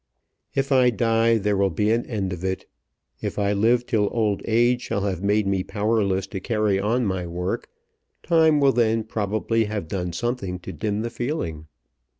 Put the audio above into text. "If I die there will be an end of it. If I live till old age shall have made me powerless to carry on my work, time will then probably have done something to dim the feeling."